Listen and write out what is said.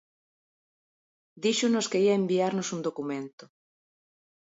Díxonos que ía enviarnos un documento.